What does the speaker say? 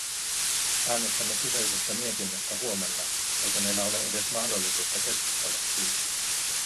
Äänestämme kyseisestä mietinnöstä huomenna, eikä meillä ole edes mahdollisuutta keskustella siitä.